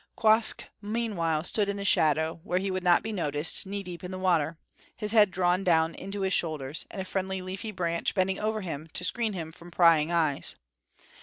Quoskh meanwhile stood in the shadow, where he would not be noticed, knee deep in water, his head drawn down into his shoulders, and a friendly leafy branch bending over him to screen him from prying eyes.